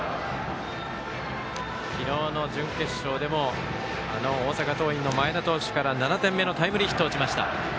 昨日の準決勝でも大阪桐蔭の前田投手から７点目のタイムリーヒットを打ちました。